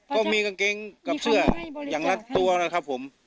ก็มีกางเกงกับเสื้ออย่างรัดตัวนะครับผม